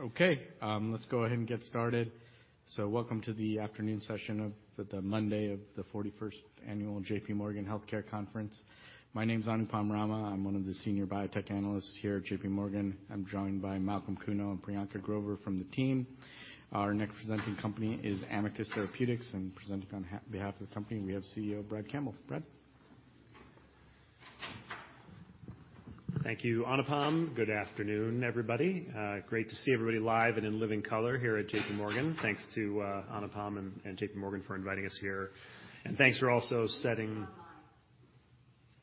Let's go ahead and get started. Welcome to the afternoon session of the Monday of the 41st annual JPMorgan Healthcare Conference. My name is Anupam Rama. I'm one of the senior biotech analysts here at JPMorgan. I'm joined by Malcolm Cuno and Priyanka Grover from the team. Our next presenting company is Amicus Therapeutics, and presenting on behalf of the company, we have CEO Bradley Campbell. Brad. Thank you, Anupam. Good afternoon, everybody. Great to see everybody live and in living color here at JPMorgan. Thanks to Anupam and JPMorgan for inviting us here. Thanks for also setting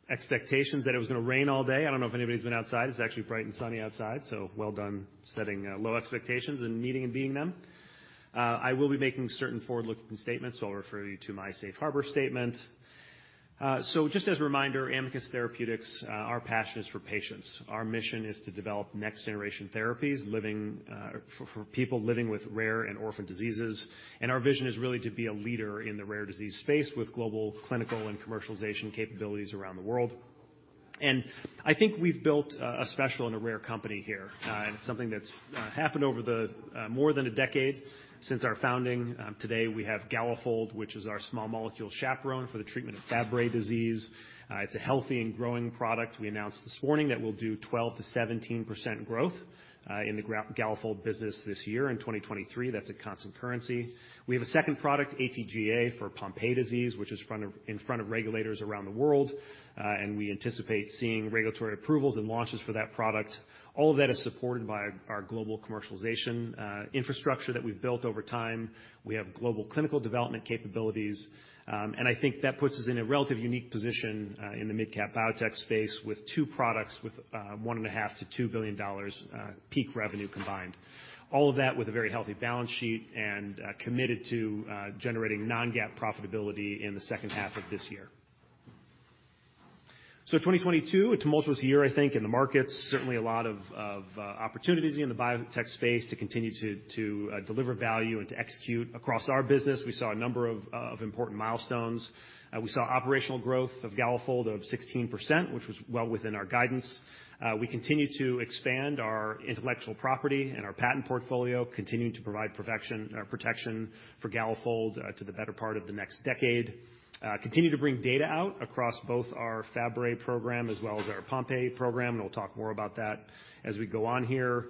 expectations that it was gonna rain all day. I don't know if anybody's been outside. It's actually bright and sunny outside, so well done setting low expectations and meeting and being them. I will be making certain forward-looking statements, so I'll refer you to my Safe Harbor statement. Just as a reminder, Amicus Therapeutics, our passion is for patients. Our mission is to develop next generation therapies, living for people living with rare and orphan diseases. Our vision is really to be a leader in the rare disease space with global clinical and commercialization capabilities around the world. I think we've built a special and a rare company here. It's something that's happened over more than a decade since our founding. Today we have GALAFOLD, which is our small molecule chaperone for the treatment of Fabry disease. It's a healthy and growing product. We announced this morning that we'll do 12%-17% growth in the GALAFOLD business this year in 2023. That's a constant currency. We have a second product, AT-GAA for Pompe disease, which is in front of regulators around the world. We anticipate seeing regulatory approvals and launches for that product. All of that is supported by our global commercialization infrastructure that we've built over time. We have global clinical development capabilities. I think that puts us in a relative unique position, in the midcap biotech space with two products, with $1.5 billion-$2 billion peak revenue combined. All of that with a very healthy balance sheet and committed to generating non-GAAP profitability in the second half of this year. 2022, a tumultuous year, I think, in the markets. Certainly a lot of opportunities in the biotech space to continue to deliver value and to execute across our business. We saw a number of important milestones. We saw operational growth of GALAFOLD of 16%, which was well within our guidance. We continue to expand our intellectual property and our patent portfolio, continuing to provide perfection, protection for GALAFOLD, to the better part of the next decade. Continue to bring data out across both our Fabry program as well as our Pompe program, and we'll talk more about that as we go on here.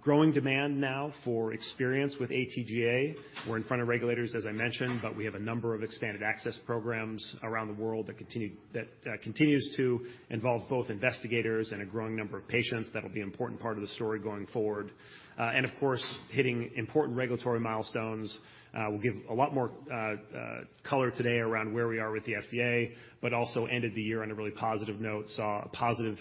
Growing demand now for experience with ATGA. We're in front of regulators, as I mentioned, but we have a number of expanded access programs around the world that continues to involve both investigators and a growing number of patients. That'll be an important part of the story going forward. Of course, hitting important regulatory milestones, we'll give a lot more color today around where we are with the FDA, but also ended the year on a really positive note, saw a positive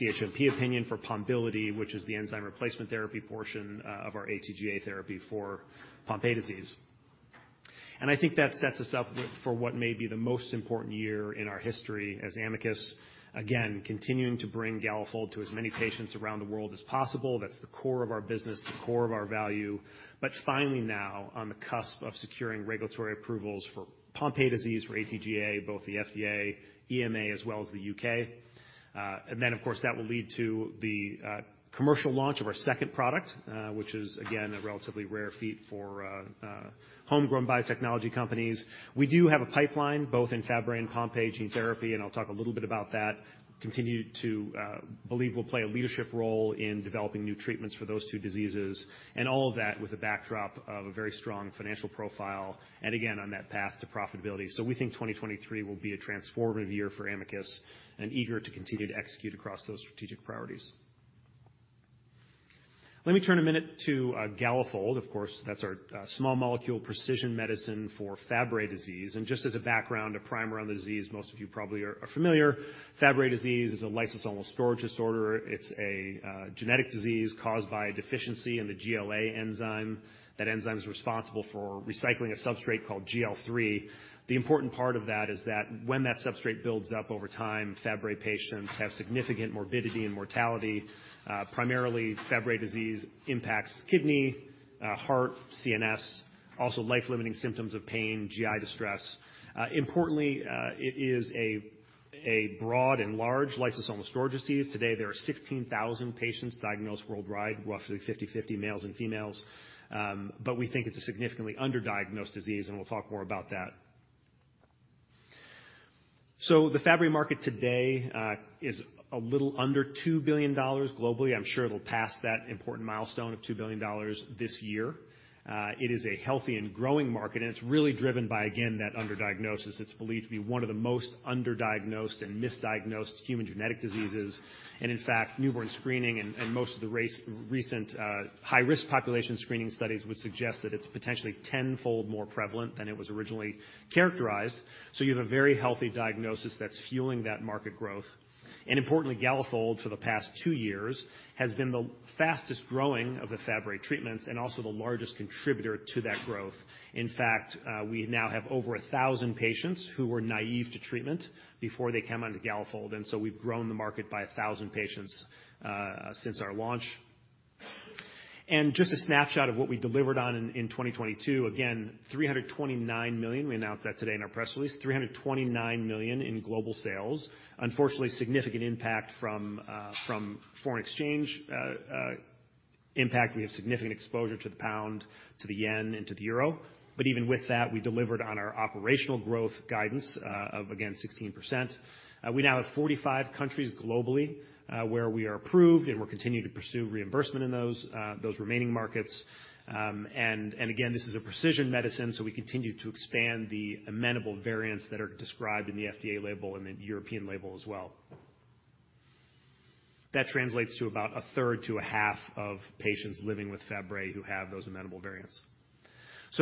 CHMP opinion for Pombiliti, which is the enzyme replacement therapy portion of our AT-GAA therapy for Pompe disease. I think that sets us up for what may be the most important year in our history as Amicus. Again, continuing to bring GALAFOLD to as many patients around the world as possible. That's the core of our business, the core of our value. Finally now on the cusp of securing regulatory approvals for Pompe disease for AT-GAA, both the FDA, EMA as well as the U.K. Of course, that will lead to the commercial launch of our second product, which is again a relatively rare feat for homegrown biotechnology companies. We do have a pipeline both in Fabry and Pompe gene therapy, and I'll talk a little bit about that. Continue to believe we'll play a leadership role in developing new treatments for those two diseases and all of that with a backdrop of a very strong financial profile, and again, on that path to profitability. We think 2023 will be a transformative year for Amicus and eager to continue to execute across those strategic priorities. Let me turn a minute to GALAFOLD. That's our small molecule precision medicine for Fabry disease. Just as a background, a primer on the disease, most of you probably are familiar. Fabry disease is a lysosomal storage disorder. It's a genetic disease caused by a deficiency in the GLA enzyme. That enzyme is responsible for recycling a substrate called GL-3. The important part of that is that when that substrate builds up over time, Fabry patients have significant morbidity and mortality. Primarily Fabry disease impacts kidney, heart, CNS, also life-limiting symptoms of pain, GI distress. Importantly, it is a broad and large lysosomal storage disease. Today, there are 16,000 patients diagnosed worldwide, roughly 50/50 males and females. We think it's a significantly underdiagnosed disease, and we'll talk more about that. The Fabry market today is a little under $2 billion globally. I'm sure it'll pass that important milestone of $2 billion this year. It is a healthy and growing market, and it's really driven by, again, that underdiagnosis. It's believed to be one of the most underdiagnosed and misdiagnosed human genetic diseases. In fact, newborn screening and most of the recent high-risk population screening studies would suggest that it's potentially tenfold more prevalent than it was originally characterized. So you have a very healthy diagnosis that's fueling that market growth. Importantly, GALAFOLD for the past two years has been the fastest-growing of the Fabry treatments and also the largest contributor to that growth. In fact, we now have over 1,000 patients who were naive to treatment before they came onto GALAFOLD, and so we've grown the market by 1,000 patients since our launch. Just a snapshot of what we delivered on in 2022. Again, $329 million, we announced that today in our press release. $329 million in global sales. Unfortunately, significant impact from foreign exchange impact. We have significant exposure to the pound, to the yen, and to the euro. Even with that, we delivered on our operational growth guidance of again 16%. We now have 45 countries globally where we are approved, and we're continuing to pursue reimbursement in those remaining markets. And again, this is a precision medicine, so we continue to expand the amenable variants that are described in the FDA label and the European label as well. That translates to about a third to a half of patients living with Fabry who have those amenable variants.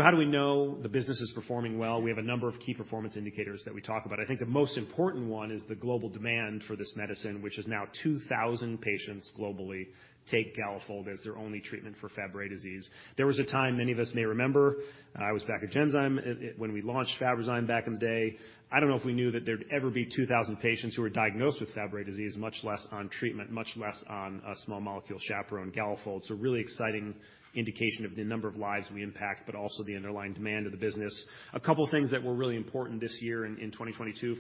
How do we know the business is performing well? We have a number of key performance indicators that we talk about. I think the most important one is the global demand for this medicine, which is now 2,000 patients globally take GALAFOLD as their only treatment for Fabry disease. There was a time many of us may remember, I was back at Genzyme when we launched Fabrazyme back in the day. I don't know if we knew that there'd ever be 2,000 patients who were diagnosed with Fabry disease, much less on treatment, much less on a small molecule chaperone GALAFOLD. A really exciting indication of the number of lives we impact, but also the underlying demand of the business. A couple of things that were really important this year in 2022.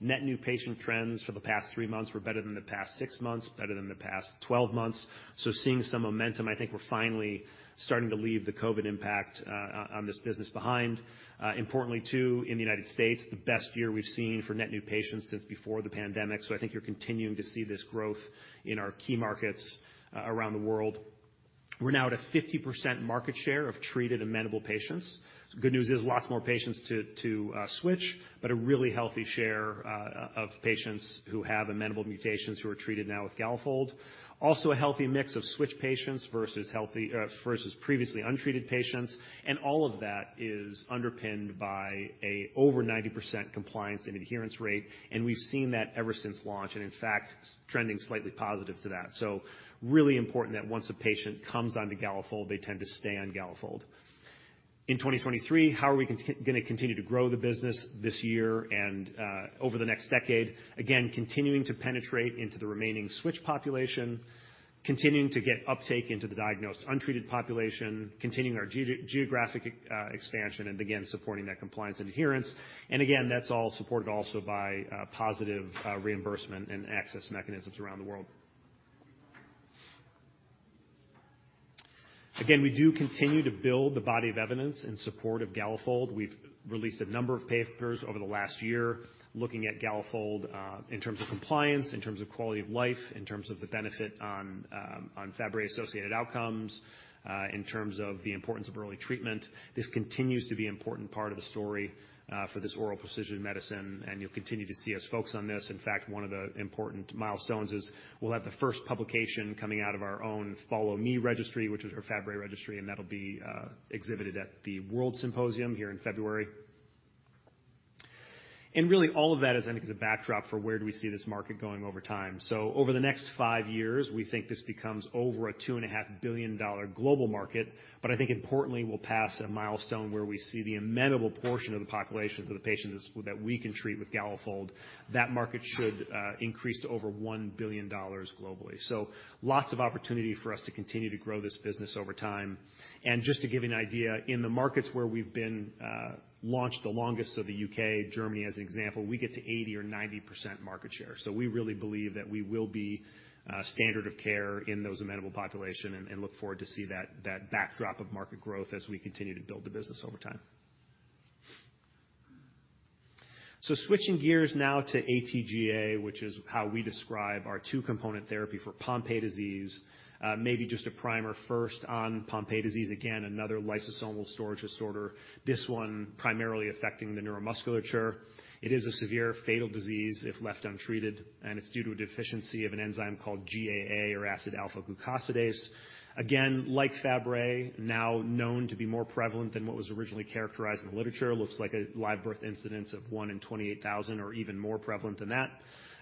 Net new patient trends for the past three months were better than the past six months, better than the past 12 months. Seeing some momentum, I think we're finally starting to leave the COVID impact on this business behind. Importantly, too, in the United States, the best year we've seen for net new patients since before the pandemic. I think you're continuing to see this growth in our key markets around the world. We're now at a 50% market share of treated amenable patients. Good news is lots more patients to switch, but a really healthy share of patients who have amenable mutations who are treated now with GALAFOLD. A healthy mix of switch patients versus previously untreated patients. All of that is underpinned by a over 90% compliance and adherence rate, and we've seen that ever since launch, and in fact, trending slightly positive to that. Really important that once a patient comes onto GALAFOLD, they tend to stay on GALAFOLD. In 2023, how are we gonna continue to grow the business this year and over the next decade? Again, continuing to penetrate into the remaining switch population, continuing to get uptake into the diagnosed untreated population, continuing our geo-geographic expansion, and again, supporting that compliance and adherence. Again, that's all supported also by positive reimbursement and access mechanisms around the world. Again, we do continue to build the body of evidence in support of GALAFOLD. We've released a number of papers over the last year looking at GALAFOLD, in terms of compliance, in terms of quality of life, in terms of the benefit on Fabry-associated outcomes, in terms of the importance of early treatment. This continues to be important part of the story for this oral precision medicine, and you'll continue to see us focus on this. In fact, one of the important milestones is we'll have the first publication coming out of our own followME registry, which is our Fabry registry, and that'll be exhibited at the WORLDSymposium here in February. Really all of that is, I think, is a backdrop for where do we see this market going over time. Over the next five years, we think this becomes over a $2.5 billion global market. I think importantly, we'll pass a milestone where we see the amenable portion of the population for the patients that we can treat with GALAFOLD. That market should increase to over $1 billion globally. Lots of opportunity for us to continue to grow this business over time. Just to give you an idea, in the markets where we've been launched the longest, so the U.K., Germany, as an example, we get to 80% or 90% market share. We really believe that we will be standard of care in those amenable population and look forward to see that backdrop of market growth as we continue to build the business over time. Switching gears now to AT-GAA, which is how we describe our two-component therapy for Pompe disease. Maybe just a primer first on Pompe disease. Again, another lysosomal storage disorder, this one primarily affecting the neuromuscular. It is a severe fatal disease if left untreated, and it's due to a deficiency of an enzyme called GAA or acid alpha-glucosidase. Again, like Fabry, now known to be more prevalent than what was originally characterized in the literature. Looks like a live birth incidence of 1 in 28,000 or even more prevalent than that.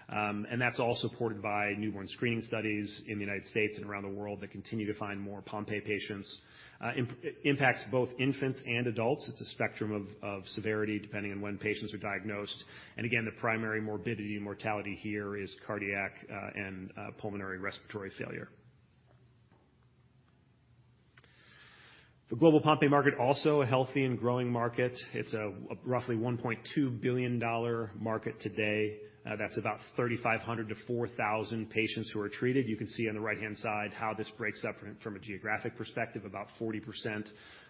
And that's all supported by newborn screening studies in the United States and around the world that continue to find more Pompe patients. It impacts both infants and adults. It's a spectrum of severity depending on when patients are diagnosed. Again, the primary morbidity and mortality here is cardiac, and pulmonary respiratory failure. The global Pompe market, also a healthy and growing market. It's a roughly $1.2 billion market today. That's about 3,500-4,000 patients who are treated. You can see on the right-hand side how this breaks up from a geographic perspective. About 40%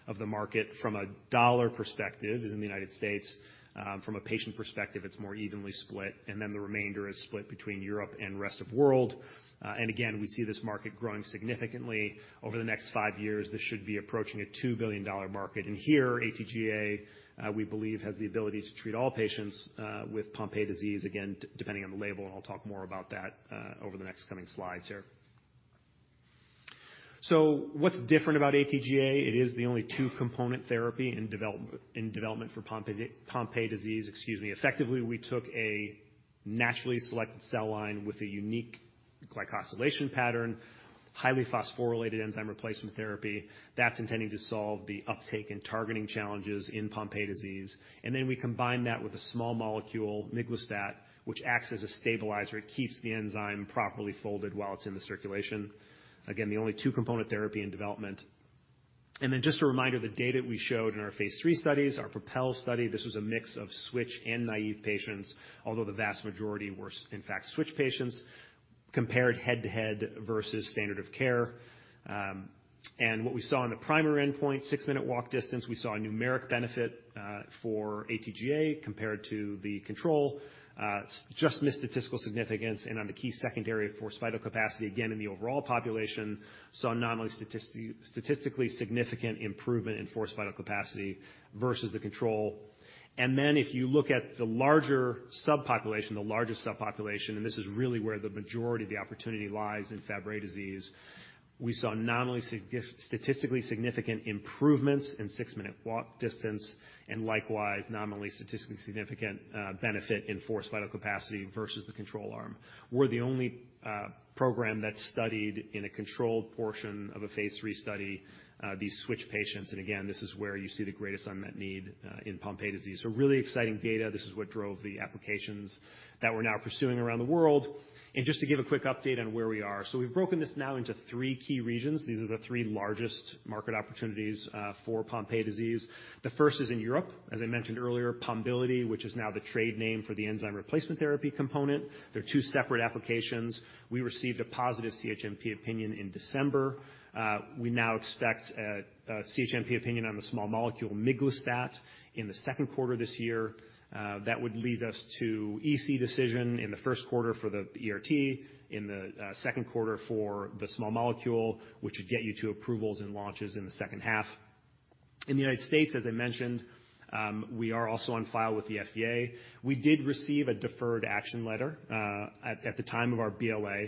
of the market from a dollar perspective is in the United States. From a patient perspective, it's more evenly split, and then the remainder is split between Europe and rest of world. And again, we see this market growing significantly over the next five years. This should be approaching a $2 billion market. Here, AT-GAA, we believe, has the ability to treat all patients with Pompe disease, again, depending on the label, and I'll talk more about that over the next coming slides here. What's different about AT-GAA? It is the only two-component therapy in development for Pompe disease, excuse me. Effectively, we took a naturally selected cell line with a unique glycosylation pattern, highly phosphorylated enzyme replacement therapy that's intending to solve the uptake and targeting challenges in Pompe disease. We combine that with a small molecule miglustat, which acts as a stabilizer. It keeps the enzyme properly folded while it's in the circulation. Again, the only two-component therapy in development. Just a reminder, the data we showed in our phase III studies, our PROPEL study, this was a mix of switch and naive patients, although the vast majority were in fact switch patients compared head-to-head versus standard of care. What we saw in the primary endpoint, 6-minute walk distance, we saw a numeric benefit for ATGA compared to the control, just missed statistical significance. On the key secondary forced vital capacity, again, in the overall population, saw nominally statistically significant improvement in forced vital capacity versus the control. If you look at the larger subpopulation, the largest subpopulation, and this is really where the majority of the opportunity lies in Fabry disease, we saw nominally statistically significant improvements in six-minute walk distance, and likewise, nominally statistically significant benefit in forced vital capacity versus the control arm. We're the only program that studied in a controlled portion of a phase III study, these switch patients. Again, this is where you see the greatest unmet need in Pompe disease. Really exciting data. This is what drove the applications that we're now pursuing around the world. Just to give a quick update on where we are. We've broken this now into three key regions. These are the three largest market opportunities for Pompe disease. The first is in Europe. As I mentioned earlier, Pombiliti, which is now the trade name for the enzyme replacement therapy component. There are two separate applications. We received a positive CHMP opinion in December. We now expect a CHMP opinion on the small molecule miglustat in the second quarter this year. That would lead us to EC decision in the first quarter for the ERT, in the second quarter for the small molecule, which would get you to approvals and launches in the second half. In the United States, as I mentioned, we are also on file with the FDA. We did receive a deferred action letter at the time of our BLA.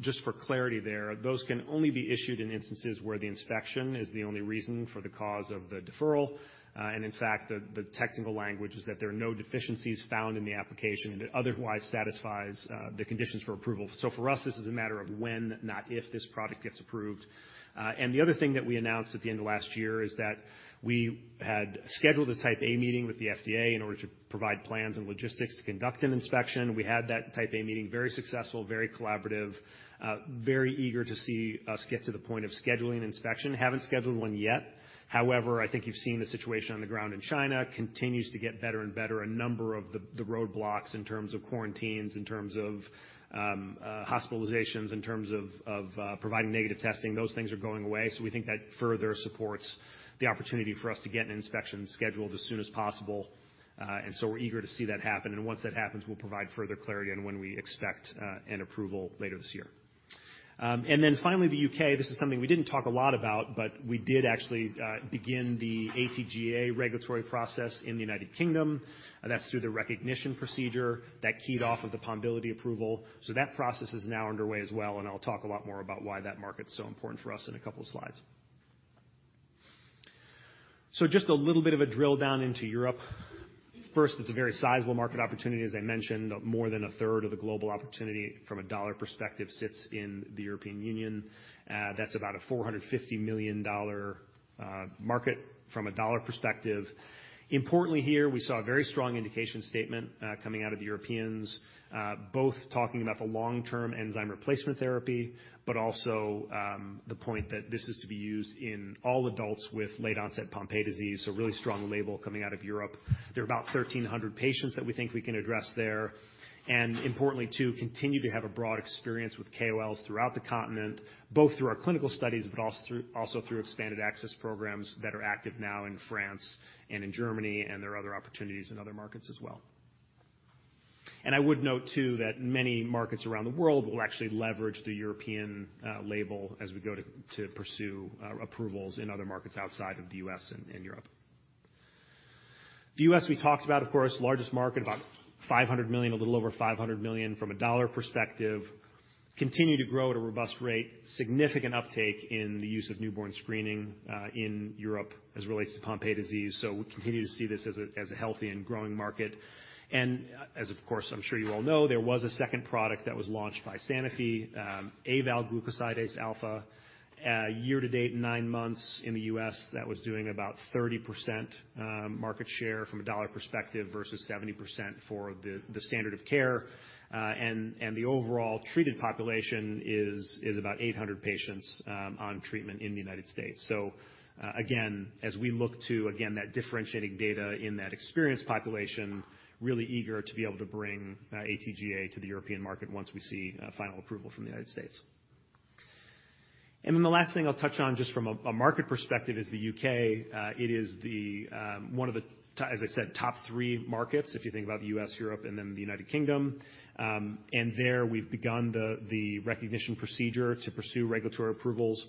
Just for clarity there, those can only be issued in instances where the inspection is the only reason for the cause of the deferral. In fact, the technical language is that there are no deficiencies found in the application and it otherwise satisfies the conditions for approval. For us, this is a matter of when, not if this product gets approved. The other thing that we announced at the end of last year is that we had scheduled a Type A meeting with the FDA in order to provide plans and logistics to conduct an inspection. We had that Type A meeting, very successful, very collaborative, very eager to see us get to the point of scheduling an inspection. Haven't scheduled one yet. However, I think you've seen the situation on the ground in China continues to get better and better. A number of the roadblocks in terms of quarantines, in terms of hospitalizations, in terms of providing negative testing, those things are going away. We think that further supports the opportunity for us to get an inspection scheduled as soon as possible. We're eager to see that happen. Once that happens, we'll provide further clarity on when we expect an approval later this year. Finally, the U.K. This is something we didn't talk a lot about, but we did actually begin the AT-GAA regulatory process in the United Kingdom. That's through the recognition procedure that keyed off of the Pombiliti approval. That process is now underway as well, and I'll talk a lot more about why that market's so important for us in a couple slides. Just a little bit of a drill down into Europe. First, it's a very sizable market opportunity. As I mentioned, more than a third of the global opportunity from a dollar perspective sits in the European Union. That's about a $450 million market from a dollar perspective. Importantly here, we saw a very strong indication statement coming out of the Europeans, both talking about the long-term enzyme replacement therapy, but also the point that this is to be used in all adults with late onset Pompe disease, so really strong label coming out of Europe. There are about 1,300 patients that we think we can address there. Importantly too, continue to have a broad experience with KOLs throughout the continent, both through our clinical studies, but also through expanded access programs that are active now in France and in Germany, and there are other opportunities in other markets as well. I would note too that many markets around the world will actually leverage the European label as we go to pursue approvals in other markets outside of the US and Europe. The US we talked about, of course, largest market, about $500 million, a little over $500 million from a dollar perspective. Continue to grow at a robust rate, significant uptake in the use of newborn screening in Europe as it relates to Pompe disease. We continue to see this as a healthy and growing market. As of course, I'm sure you all know, there was a second product that was launched by Sanofi, avalglucosidase alfa. Year to date, nine months in the U.S., that was doing about 30% market share from a dollar perspective versus 70% for the standard of care. And the overall treated population is about 800 patients on treatment in the United States. As we look to, again, that differentiating data in that experienced population, really eager to be able to bring AT-GAA to the European market once we see final approval from the United States. Then the last thing I'll touch on just from a market perspective is the U.K. It is the, as I said, top three markets, if you think about the U.S., Europe, and the United Kingdom. There we've begun the recognition procedure to pursue regulatory approvals.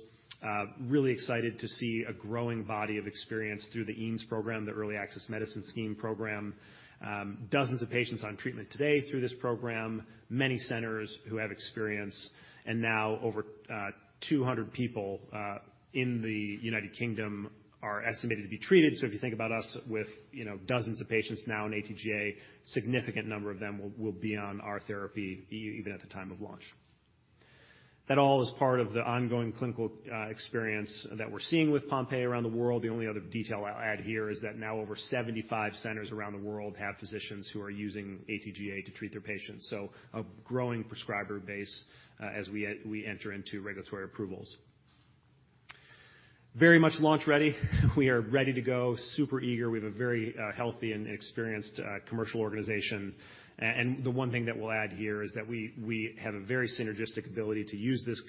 Really excited to see a growing body of experience through the EAMS program, the Early Access to Medicines Scheme program. Dozens of patients on treatment today through this program, many centers who have experience, and now over 200 people in the United Kingdom are estimated to be treated. So if you think about us with, you know, dozens of patients now in AT-GAA, significant number of them will be on our therapy even at the time of launch. That all is part of the ongoing clinical experience that we're seeing with Pompe around the world. The only other detail I'll add here is that now over 75 centers around the world have physicians who are using AT-GAA to treat their patients. A growing prescriber base, as we enter into regulatory approvals. Very much launch ready. We are ready to go, super eager. We have a very healthy and experienced commercial organization. The one thing that we'll add here is that we have a very synergistic ability to use this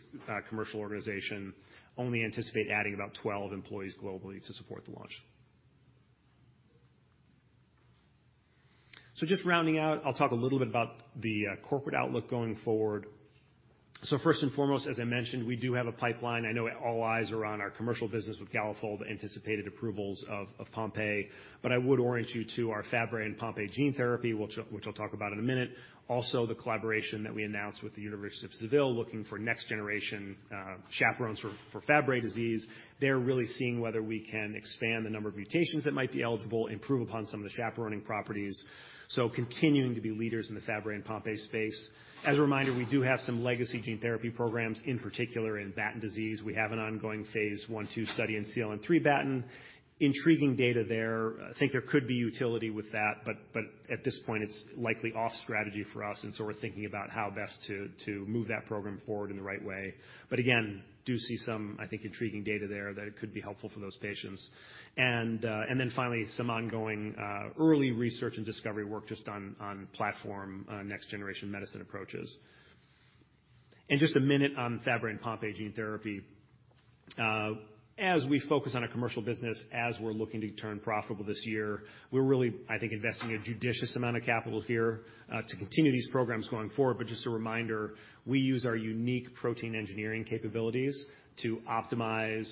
commercial organization, only anticipate adding about 12 employees globally to support the launch. Just rounding out, I'll talk a little bit about the corporate outlook going forward. First and foremost, as I mentioned, we do have a pipeline. I know all eyes are on our commercial business with GALAFOLD, anticipated approvals of Pompe, I would orient you to our Fabry and Pompe gene therapy, which I'll talk about in a minute. The collaboration that we announced with the University of Seville looking for next generation, chaperones for Fabry disease. They're really seeing whether we can expand the number of mutations that might be eligible, improve upon some of the chaperoning properties, continuing to be leaders in the Fabry and Pompe space. As a reminder, we do have some legacy gene therapy programs, in particular in Batten disease. We have an ongoing phase one, two study in CLN3 Batten. Intriguing data there. I think there could be utility with that, at this point, it's likely off strategy for us, and so we're thinking about how best to move that program forward in the right way. Again, do see some, I think, intriguing data there that it could be helpful for those patients. Finally, some ongoing early research and discovery work just on platform next-generation medicine approaches. A minute on Fabry and Pompe gene therapy. As we focus on a commercial business, as we're looking to turn profitable this year, we're really, I think, investing a judicious amount of capital here to continue these programs going forward. Just a reminder, we use our unique protein engineering capabilities to optimize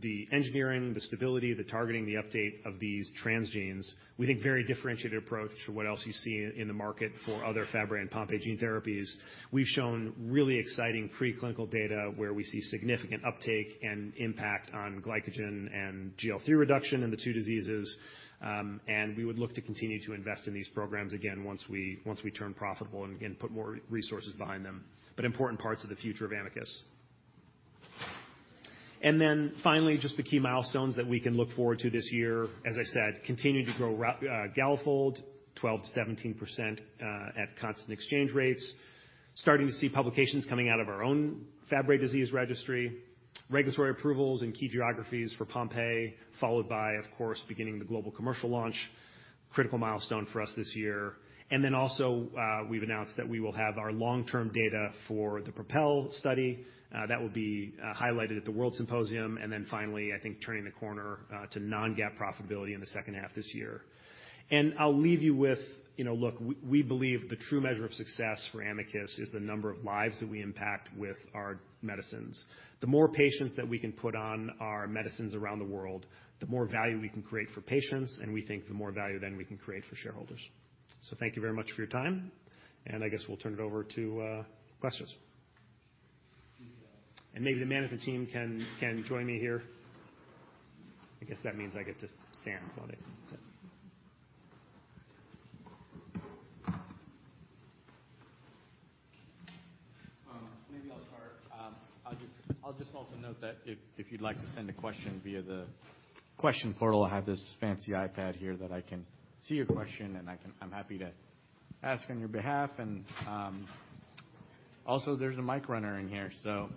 the engineering, the stability, the targeting, the update of these transgenes. We think very differentiated approach to what else you see in the market for other Fabry and Pompe gene therapies. We've shown really exciting preclinical data where we see significant uptake and impact on glycogen and GL-3 reduction in the two diseases, we would look to continue to invest in these programs again once we turn profitable and again, put more resources behind them, but important parts of the future of Amicus. Finally, just the key milestones that we can look forward to this year. As I said, continue to grow GALAFOLD, 12%-17% at constant exchange rates. Starting to see publications coming out of our own Fabry disease registry. Regulatory approvals in key geographies for Pompe, followed by, of course, beginning the global commercial launch, critical milestone for us this year. Also, we've announced that we will have our long-term data for the PROPEL study, that will be, highlighted at the WORLDSymposium. Finally, I think turning the corner, to non-GAAP profitability in the second half this year. I'll leave you with, you know, look, we believe the true measure of success for Amicus is the number of lives that we impact with our medicines. The more patients that we can put on our medicines around the world, the more value we can create for patients, we think the more value then we can create for shareholders. Thank you very much for your time, I guess we'll turn it over to, questions. Maybe the man at the team can join me here. I guess that means I get to stand, don't I? Maybe I'll start. I'll just also note that if you'd like to send a question via the question portal, I have this fancy iPad here that I can see your question, and I'm happy to ask on your behalf. Also, there's a mic runner in here, so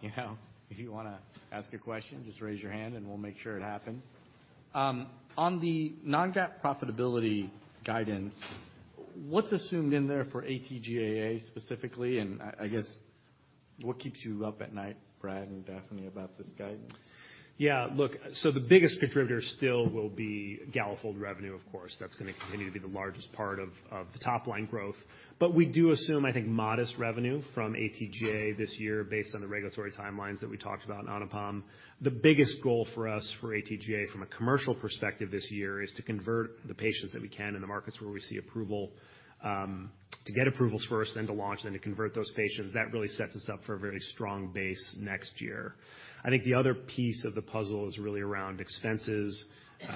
you know, if you wanna ask a question, just raise your hand, and we'll make sure it happens. On the non-GAAP profitability guidance, what's assumed in there for AT-GAA specifically? I guess, what keeps you up at night, Brad and Daphne, about this guidance? The biggest contributor still will be GALAFOLD revenue, of course. That's gonna continue to be the largest part of the top line growth. We do assume, I think, modest revenue from AT-GAA this year based on the regulatory timelines that we talked about on Pombiliti. The biggest goal for us for AT-GAA from a commercial perspective this year is to convert the patients that we can in the markets where we see approval, to get approvals first, then to launch, then to convert those patients. That really sets us up for a very strong base next year. I think the other piece of the puzzle is really around expenses.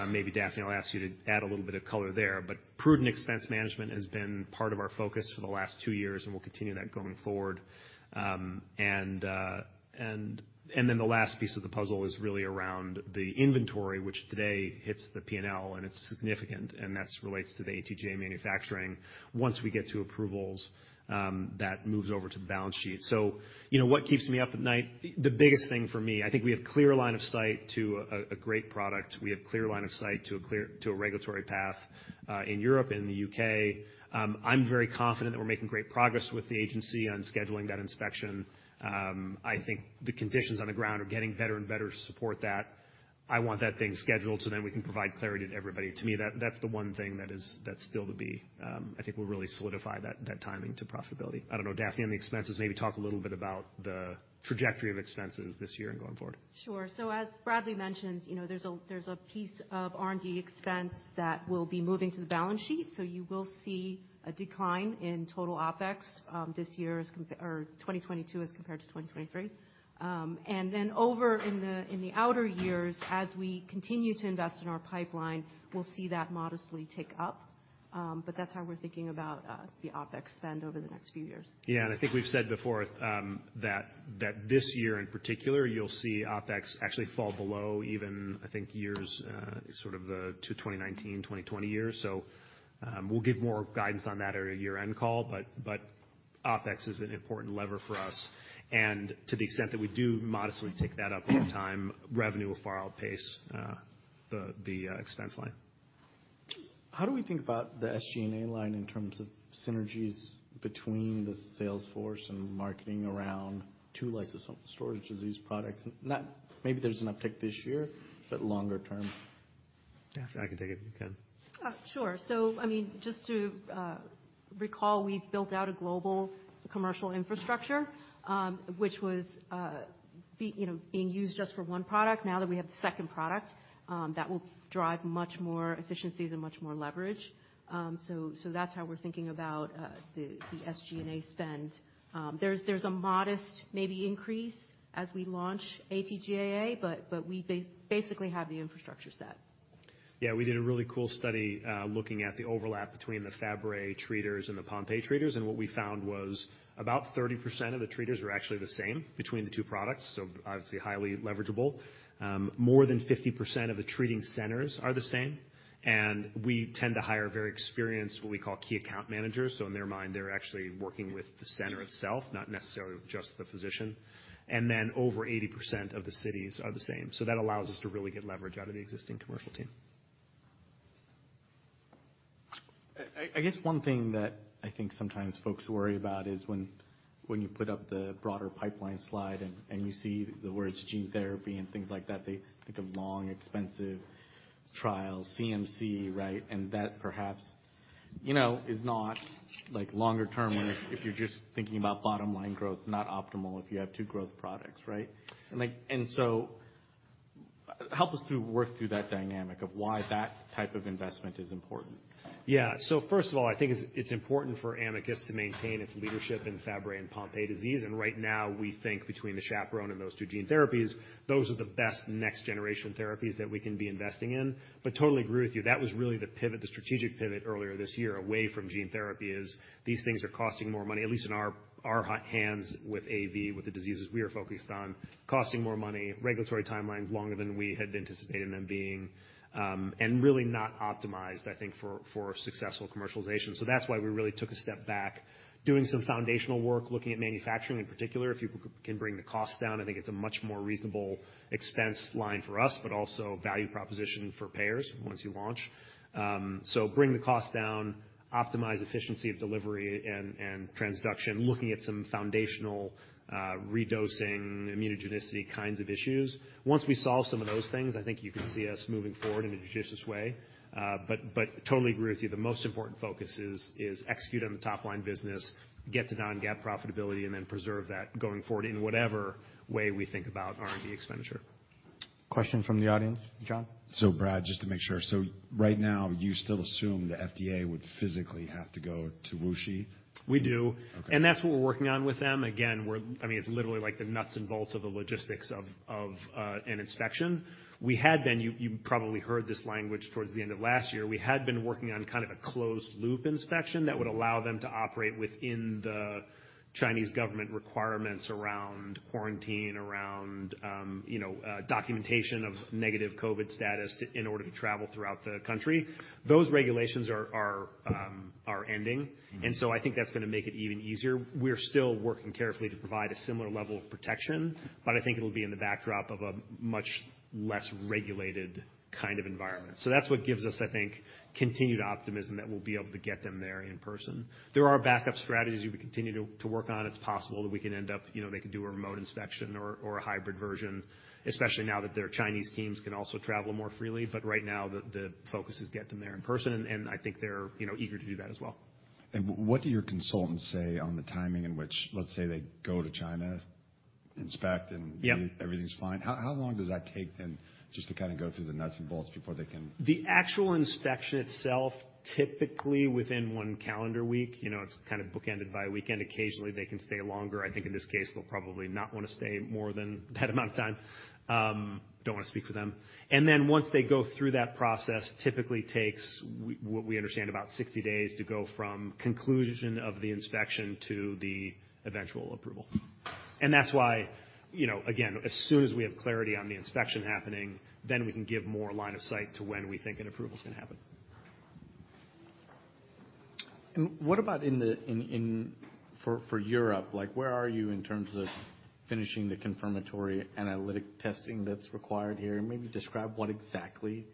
Maybe Daphne, I'll ask you to add a little bit of color there. Prudent expense management has been part of our focus for the last two years, and we'll continue that going forward. Then the last piece of the puzzle is really around the inventory, which today hits the P&L, and it's significant, and that's relates to the AT-GAA manufacturing. Once we get to approvals, that moves over to the balance sheet. You know, what keeps me up at night? The biggest thing for me, I think we have clear line of sight to a great product. We have clear line of sight to a clear to a regulatory path in Europe and in the U.K. I'm very confident that we're making great progress with the agency on scheduling that inspection. I think the conditions on the ground are getting better and better to support that. I want that thing scheduled so then we can provide clarity to everybody. To me, that's the one thing that is. That's still to be. I think we'll really solidify that timing to profitability. I don't know, Daphne, on the expenses, maybe talk a little bit about the trajectory of expenses this year and going forward. Sure. As Bradley mentioned, you know, there's a, there's a piece of R&D expense that will be moving to the balance sheet, so you will see a decline in total OpEx this year as 2022 as compared to 2023. Over in the, in the outer years, as we continue to invest in our pipeline, we'll see that modestly tick up. That's how we're thinking about the OpEx spend over the next few years. Yeah. I think we've said before, that this year in particular, you'll see OpEx actually fall below even, I think, years, sort of the 2019, 2020 years. We'll give more guidance on that at our year-end call, but OpEx is an important lever for us. To the extent that we do modestly tick that up over time, revenue will far outpace the expense line. How do we think about the SG&A line in terms of synergies between the sales force and marketing around 2 lysosomal storage disease products? Not... Maybe there's an uptick this year, but longer term. Yeah, I can take it if you can. Sure. I mean, just to recall, we've built out a global commercial infrastructure, which was you know, being used just for one product. Now that we have the second product, that will drive much more efficiencies and much more leverage. That's how we're thinking about the SG&A spend. There's a modest maybe increase as we launch AT-GAA, but we basically have the infrastructure set. We did a really cool study, looking at the overlap between the Fabry treaters and the Pompe treaters, and what we found was about 30% of the treaters were actually the same between the two products, so obviously highly leverageable. More than 50% of the treating centers are the same, and we tend to hire very experienced, what we call, key account managers. In their mind, they're actually working with the center itself, not necessarily just the physician. Over 80% of the cities are the same. That allows us to really get leverage out of the existing commercial team. I guess one thing that I think sometimes folks worry about is when you put up the broader pipeline slide and you see the words gene therapy and things like that, they think of long, expensive trials, CMC, right? That perhaps, you know, is not like longer term, or if you're just thinking about bottom-line growth, not optimal if you have two growth products, right? So help us work through that dynamic of why that type of investment is important. Yeah. First of all, I think it's important for Amicus to maintain its leadership in Fabry and Pompe disease. Right now, we think between the chaperone and those two gene therapies, those are the best next-generation therapies that we can be investing in. Totally agree with you, that was really the pivot, the strategic pivot earlier this year away from gene therapy is these things are costing more money, at least in our hands with AAV, with the diseases we are focused on, costing more money, regulatory timelines longer than we had anticipated them being, and really not optimized, I think, for successful commercialization. That's why we really took a step back, doing some foundational work, looking at manufacturing in particular. If you can bring the cost down, I think it's a much more reasonable expense line for us, but also value proposition for payers once you launch. Bring the cost down, optimize efficiency of delivery and transduction, looking at some foundational redosing immunogenicity kinds of issues. Once we solve some of those things, I think you can see us moving forward in a judicious way. But totally agree with you, the most important focus is execute on the top-line business, get to non-GAAP profitability, and then preserve that going forward in whatever way we think about R&D expenditure. Question from the audience. John? Brad, just to make sure. Right now, you still assume the FDA would physically have to go to WuXi? We do. Okay. That's what we're working on with them. Again, I mean, it's literally like the nuts and bolts of the logistics of an inspection. You probably heard this language towards the end of last year. We had been working on kind of a closed-loop inspection that would allow them to operate within the Chinese government requirements around quarantine, around, you know, documentation of negative COVID status in order to travel throughout the country. Those regulations are ending. Mm-hmm. I think that's gonna make it even easier. We're still working carefully to provide a similar level of protection, but I think it'll be in the backdrop of a much less regulated kind of environment. That's what gives us, I think, continued optimism that we'll be able to get them there in person. There are backup strategies we continue to work on. It's possible that we can end up, you know, they can do a remote inspection or a hybrid version, especially now that their Chinese teams can also travel more freely. Right now, the focus is get them there in person, and I think they're, you know, eager to do that as well. what do your consultants say on the timing in which, let's say they go to China, inspect, and- Yeah. everything's fine. How long does that take then, just to kinda go through the nuts and bolts before they can- The actual inspection itself, typically within one calendar week. You know, it's kind of bookended by a weekend. Occasionally, they can stay longer. I think in this case, they'll probably not wanna stay more than that amount of time. Don't wanna speak for them. Once they go through that process, typically takes what we understand about 60 days to go from conclusion of the inspection to the eventual approval. That's why, you know, again, as soon as we have clarity on the inspection happening, then we can give more line of sight to when we think an approval's gonna happen. What about for Europe? Like, where are you in terms of finishing the confirmatory analytic testing that's required here? Maybe describe what exactly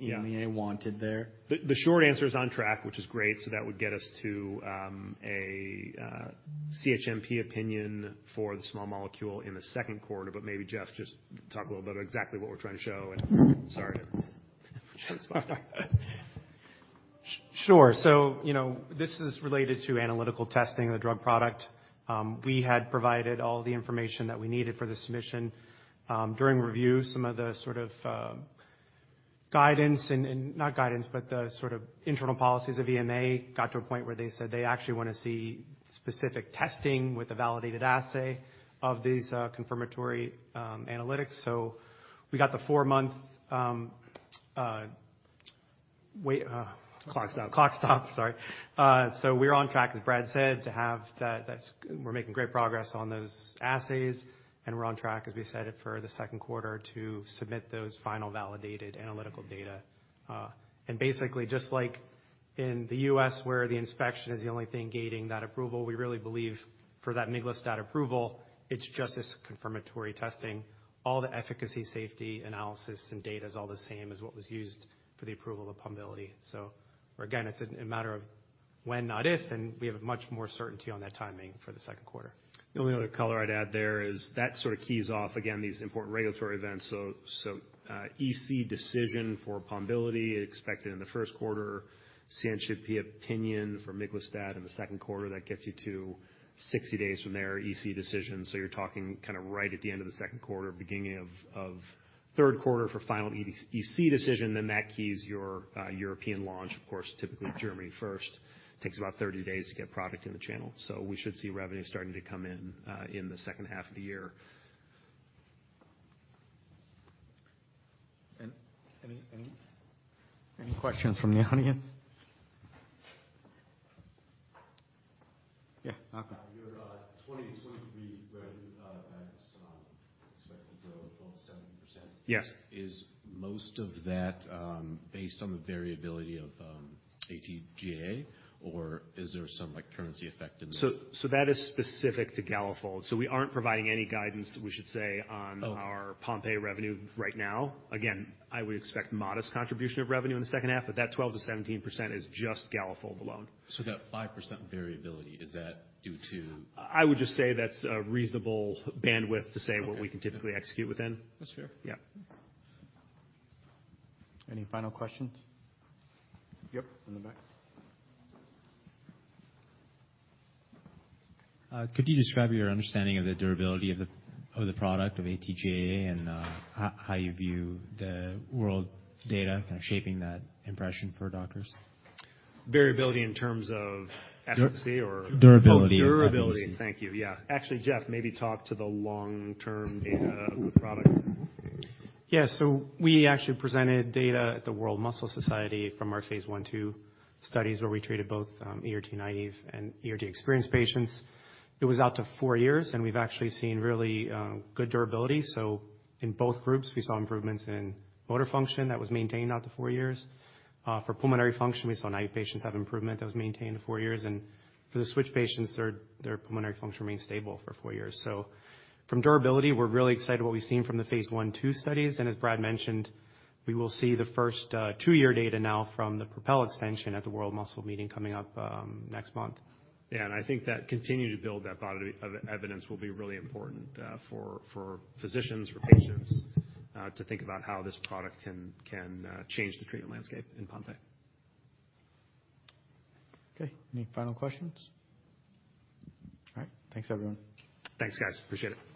EMA- Yeah. wanted there. The short answer is on track, which is great. That would get us to a CHMP opinion for the small molecule in the second quarter. Maybe, Jeff, just talk a little bit about exactly what we're trying to show and... Sorry. Sure. You know, this is related to analytical testing of the drug product. We had provided all the information that we needed for the submission. During review, some of the sort of, not guidance, but the sort of internal policies of EMA got to a point where they said they actually wanna see specific testing with a validated assay of these, confirmatory, analytics. We got the four-month, wait. Clock stop. Clock stop, sorry. We're on track, as Brad said, to have that. We're making great progress on those assays, and we're on track, as we said, for the second quarter to submit those final validated analytical data. Basically, just like in the U.S. where the inspection is the only thing gating that approval, we really believe for that miglustat approval, it's just this confirmatory testing. All the efficacy, safety analysis and data is all the same as what was used for the approval of Pombiliti. Again, it's a matter of when, not if, and we have much more certainty on that timing for the second quarter. The only other color I'd add there is that sort of keys off, again, these important regulatory events. EC decision for Pombiliti expected in the first quarter. CHMP opinion for miglustat in the second quarter. That gets you to 60 days from there, EC decision. You're talking kind of right at the end of the second quarter, beginning of third quarter for final EC decision, that keys your European launch. Of course, typically Germany first. Takes about 30 days to get product in the channel. We should see revenue starting to come in in the second half of the year. Any questions from the audience? Okay. Your 2023 revenue guidance expected to grow about 70%. Yes. Is most of that, based on the variability of AT-GAA, or is there some, like, currency effect in there? That is specific to GALAFOLD. We aren't providing any guidance, we should say. Okay. our Pompe revenue right now. Again, I would expect modest contribution of revenue in the second half, but that 12%-17% is just GALAFOLD alone. That 5% variability, is that due to... I would just say that's a reasonable bandwidth to say what we can typically execute within. That's fair. Yeah. Any final questions? Yep, in the back. Could you describe your understanding of the durability of the product of AT-GAA and how you view the world data kind of shaping that impression for doctors? Variability in terms of efficacy. Durability. Oh, durability. Thank you. Yeah. Actually, Jeff, maybe talk to the long-term data of the product. We actually presented data at the World Muscle Society from our phase I/II studies, where we treated both ERT naive and ERT-experienced patients. It was out to four years, and we've actually seen really good durability. In both groups, we saw improvements in motor function that was maintained out to four years. For pulmonary function, we saw naive patients have improvement that was maintained to four years. For the switch patients, their pulmonary function remained stable for four years. From durability, we're really excited what we've seen from the phase I/II studies. As Brad mentioned, we will see the first two-year data now from the PROPEL extension at the World Muscle Meeting coming up next month. I think that continuing to build that body of evidence will be really important for physicians, for patients, to think about how this product can change the treatment landscape in Pompe. Okay. Any final questions? All right. Thanks, everyone. Thanks, guys. Appreciate it.